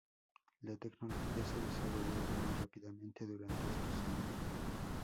La tecnología se desarrolló muy rápidamente durante estos años.